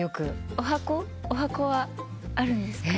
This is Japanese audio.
おはこはあるんですか？